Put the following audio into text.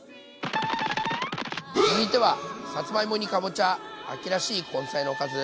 続いてはさつまいもにかぼちゃ秋らしい根菜のおかず。